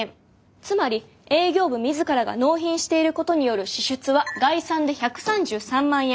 つまり営業部自らが納品していることによる支出は概算で１３３万円。